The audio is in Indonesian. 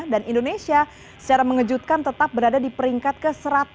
dan indonesia secara mengejutkan tetap berada di peringkat ke satu ratus dua puluh empat